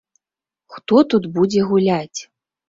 Хто тут будзе гуляць?